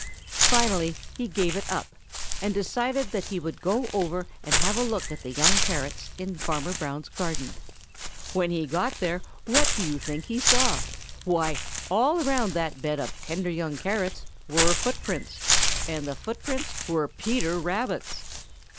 Finally he gave it up and decided that he would go over and have a look at the young carrots in Farmer Brown's garden. When he got there, what do you think he saw? Why, all around that bed of tender young carrots were footprints, and the footprints were Peter Rabbit's!